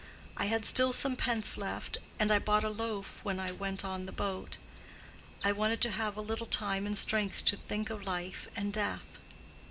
I had still some pence left, and I bought a loaf when I went on the boat. I wanted to have a little time and strength to think of life and death.